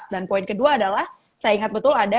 dan poin kedua adalah saya ingat betul ada